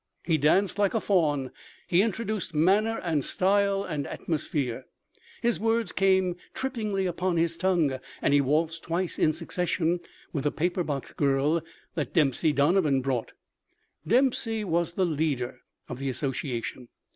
He danced like a faun; he introduced manner and style and atmosphere; his words came trippingly upon his tongue, and—he waltzed twice in succession with the paper box girl that Dempsey Donovan brought. Dempsey was the leader of the association.